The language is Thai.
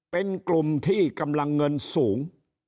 เป็นกลุ่มที่กำลังเงินสูง